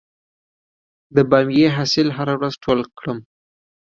د بامیې حاصل هره ورځ ټول کړم؟